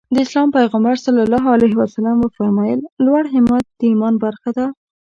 د اسلام پيغمبر ص وفرمايل لوړ همت د ايمان برخه ده.